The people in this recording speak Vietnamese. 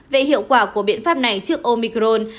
về hiệu quả của biện pháp này trước omicron